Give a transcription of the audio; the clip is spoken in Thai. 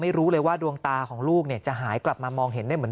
ไม่รู้เลยว่าดวงตาของลูกจะหายกลับมามองเห็นได้เหมือน